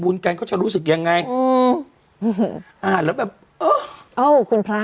มูลแกนก็จะรู้สึกยังไงอืมอ่าแล้วแบบอุ๊ยโอ้คุณพระอ๋อ